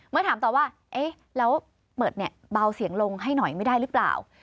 เมื่อถามต่อว่าเอ๊ะแล้วเปิดเนี่ยเบาเสียงลงให้หน่อยไม่ได้หรือเปล่า